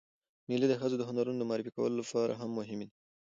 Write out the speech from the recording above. مېلې د ښځو د هنرونو د معرفي کولو له پاره هم مهمې دي.